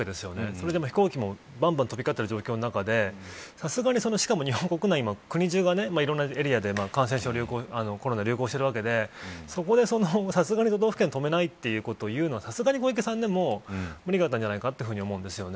それで飛行機もばんばん飛び交っている状況の中でさすがに、しかも日本国内国中がいろんなエリアでコロナ流行してるわけでそこで、さすがに都道府県を止めないということを言うのはさすがに小池さんでも無理があったんじゃないかと思うんです。